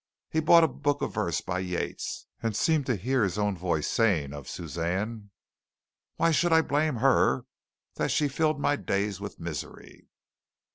He bought a book of verse by Yeats, and seemed to hear his own voice saying of Suzanne, "Why should I blame her that she filled my days With misery